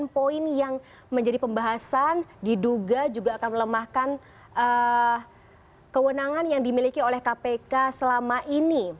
enam poin yang menjadi pembahasan diduga juga akan melemahkan kewenangan yang dimiliki oleh kpk selama ini